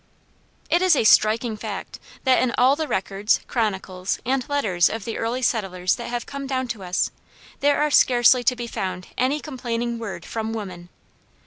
It is a striking fact that in all the records, chronicles, and letters of the early settlers that have come down to us, there are scarcely to be found any complaining word from woman.